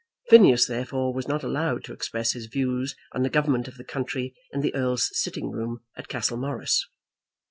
Phineas, therefore, was not allowed to express his views on the government of the country in the Earl's sitting room at Castlemorris.